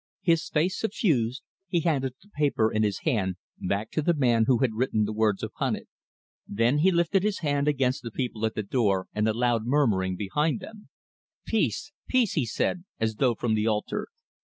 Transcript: His face suffused, he handed the paper in his hand back to the man who had written the words upon it. Then he lifted his hand against the people at the door and the loud murmuring behind them. "Peace peace!" he said, as though from the altar.